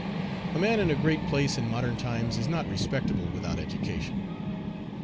A man in a great place in modern times is not respectable without education.